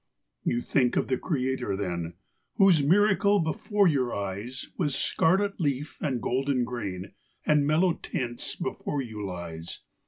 You think of the Creator then, whose miracle before your eyes With scarlet leaf and golden grain and mellow tints before you lies.